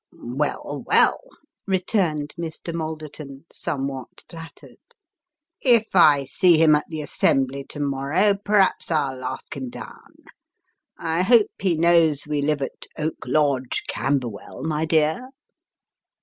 " Well, well," returned Mr. Malderton, somewhat flattered ;" if I see him at the assembly to morrow, perhaps I'll ask him down. I hope he knows we live at Oak Lodge, Camberwell, my dear